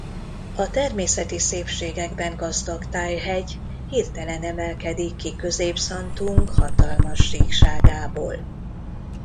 A természeti szépségekben gazdag Taj-hegy hirtelen emelkedik ki közép Santung hatalmas síkságából.